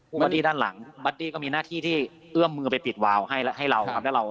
บัตตี้ด้านหลังบัตตี้ก็มีหน้าที่ที่เอื้อมมือไปปิดวาวให้เราครับ